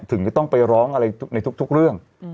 ถึงจะต้องไปร้องอะไรในทุกเรื่อง